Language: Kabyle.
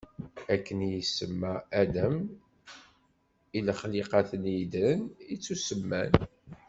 Akken i yesemma Adam i lexliqat-nni yeddren, i ttusemman.